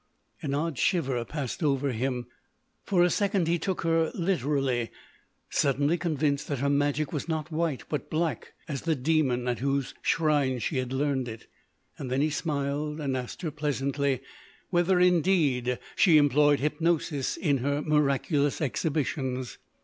An odd shiver passed over him. For a second he took her literally, suddenly convinced that her magic was not white but black as the demon at whose shrine she had learned it. Then he smiled and asked her pleasantly, whether indeed she employed hypnosis in her miraculous exhibitions.